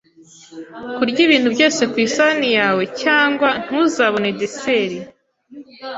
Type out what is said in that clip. Kurya ibintu byose ku isahani yawe, cyangwa ntuzabona deserte.